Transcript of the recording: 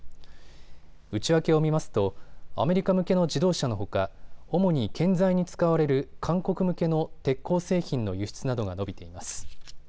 内訳を見ますとアメリカ向けの自動車のほか主に建材に使われる韓国向けの鉄鋼製品の輸出などが伸びています。